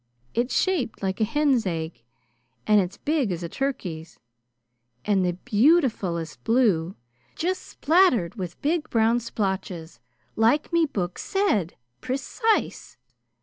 It's shaped like a hen's egg, and it's big as a turkey's, and the beautifulest blue just splattered with big brown splotches, like me book said, precise.